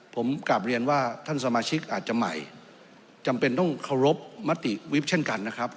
ผมกลับเรียนว่าท่านสมาชิกอาจจะใหม่จำเป็นต้องเคารพมติวิบเช่นกันนะครับ